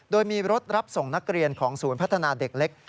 โดยมีรถรับส่งนักเรียนของศูนย์พัฒนาเด็กเล็ก